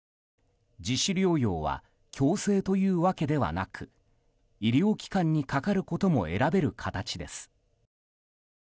自主療養は強制というわけではなく医療機関にかかることも選べる形です。